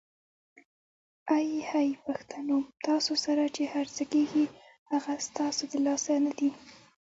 آی های پښتنو ! تاسو سره چې هرڅه کیږي هغه ستاسو د لاسه ندي؟!